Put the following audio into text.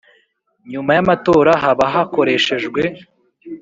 Nyuma y amatora haba hakoreshejwe